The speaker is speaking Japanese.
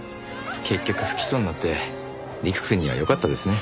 結局不起訴になって陸くんにはよかったですね。